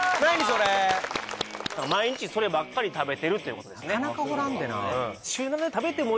それ毎日そればっかり食べてるっていうことですね